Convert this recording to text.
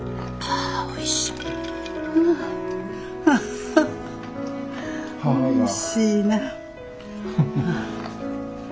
ハハおいしいな。